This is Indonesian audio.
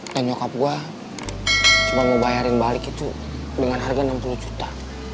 dan nyokap gue cuma mau bayarin balik itu dengan harga enam puluh juta